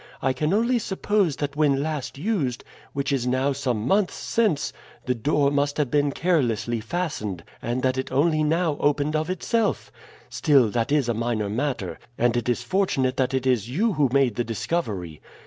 I can only suppose that when last used, which is now some months since, the door must have been carelessly fastened, and that it only now opened of itself. Still, that is a minor matter, and it is fortunate that it is you who made the discovery.